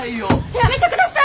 やめてください！